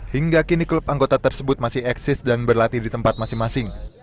hingga kini klub anggota tersebut masih eksis dan berlatih di tempat masing masing